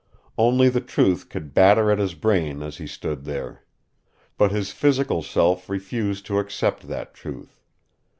Only the truth could batter at his brain as he stood there. But his physical self refused to accept that truth.